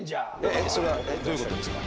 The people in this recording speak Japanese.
えっそれはどういうことですか？